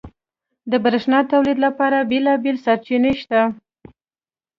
• د برېښنا تولید لپاره بېلابېلې سرچینې شته.